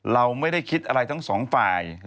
เราไม่ได้คิดอะไรทั้งสองฝ่าย